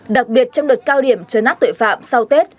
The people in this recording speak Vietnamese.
đặc biệt trong đợt cao điểm trấn áp tuệ phạm sau tết